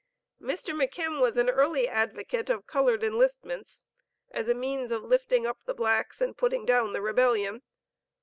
Mr. McKim was an early advocate of colored enlistments, as a means of lifting up the blacks and putting down the rebellion.